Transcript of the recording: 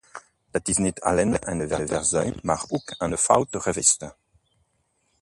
Dat is niet alleen een verzuim, maar ook een fout geweest.